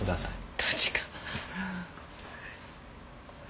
どっちか。